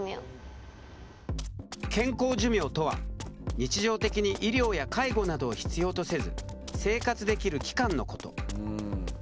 健康寿命とは日常的に医療や介護などを必要とせず生活できる期間のこと。